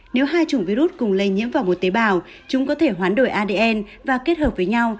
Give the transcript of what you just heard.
nếu hai chủng virus cùng lây nhiễm vào một tế bào chúng có thể hoán đổi adn và kết hợp với nhau